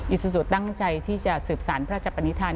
อิสุสุตั้งใจที่จะสืบสารพระจับปณิธาน